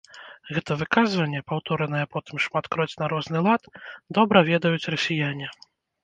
Гэтае выказванне, паўторанае потым шматкроць на розны лад, добра ведаюць расіяне.